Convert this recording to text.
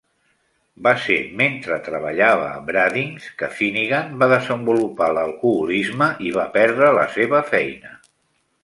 Va ser mentre treballava en Brading's que Finnigan va desenvolupar l'alcoholisme i va perdre la seva feina.